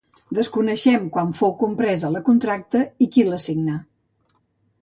Desconeixem quan fou compresa la contracta i qui la signà.